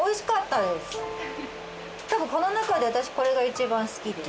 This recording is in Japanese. たぶんこの中で私これが一番好きです。